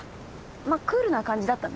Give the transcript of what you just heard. まっクールな感じだったね。